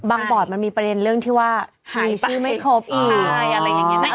บางบอดมันมีประเด็นเรื่องที่ว่ามีชื่อไม่ครบอีก